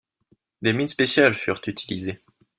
Des mines spéciales furent utilisées.